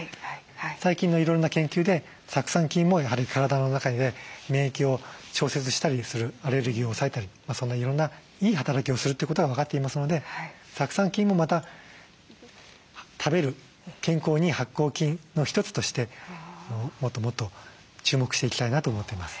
最近のいろんな研究で酢酸菌もやはり体の中で免疫を調節したりするアレルギーを抑えたりそんないろんないい働きをするということが分かっていますので酢酸菌もまた食べる健康にいい発酵菌の一つとしてもっともっと注目していきたいなと思っています。